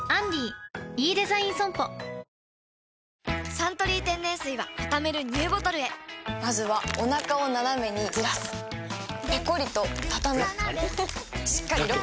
「サントリー天然水」はたためるＮＥＷボトルへまずはおなかをナナメにずらすペコリ！とたたむしっかりロック！